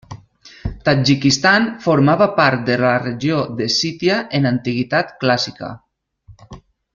Tadjikistan formava part de la regió d'Escítia en Antiguitat Clàssica.